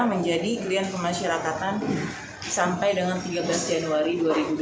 menjadi klien pemasyarakatan sampai dengan tiga belas januari dua ribu dua puluh